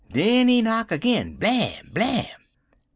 Den he knock agin blam! blam!